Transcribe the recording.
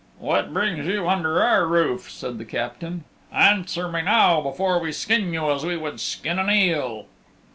"What brings you under our roof?" said the Captain. "Answer me now before we skin you as we would skin an eel."